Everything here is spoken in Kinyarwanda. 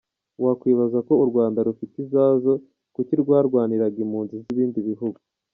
Wakwibaza ko u Rwanda rufite izazo kuki rwarwaniraga impunzi z’ibindi bihugu?